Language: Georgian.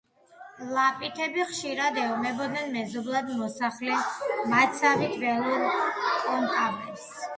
ლაპითები ხშირად ეომებოდნენ მეზობლად მოსახლე მათსავით ველურ კენტავრებს.